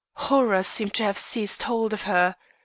Horror seemed to have seized hold of her.